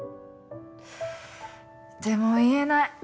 でも言えない。